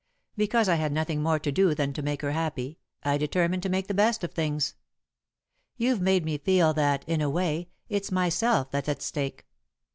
Because I had nothing more to do than to make her happy, I determined to make the best of things. You've made me feel that, in a way, it's myself that's at stake.